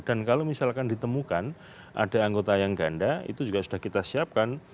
dan kalau misalkan ditemukan ada anggota yang ganda itu juga sudah kita siapkan